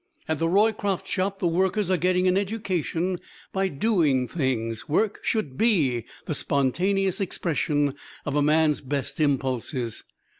At the Roycroft Shop the workers are getting an education by doing things. Work should be the spontaneous expression of a man's best impulses.